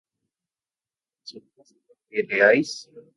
¿vosotros partierais?